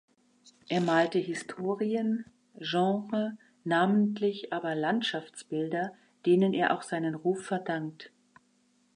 Er malte Historien-, Genre-, namentlich aber Landschaftsbilder, denen er auch seinen Ruf verdankt.